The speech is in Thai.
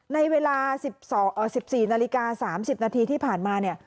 ในเวลา๑๔นาฬิกา๓๐นาทีที่ผ่านมาเนี่ย